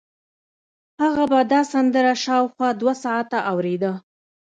هغه به دا سندره شاوخوا دوه ساعته اورېده